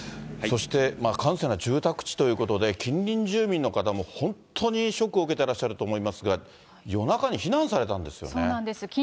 そして、閑静な住宅地ということで、近隣住民の方も、本当にショックを受けてらっしゃると思いますが、夜中に避難されそうなんです。